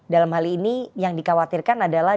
dalam hal ini yang dikhawatirkan adalah